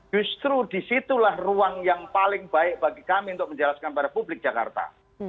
justru disitulah ruang yang paling baik bagi kami untuk menjelaskan pada publik jakarta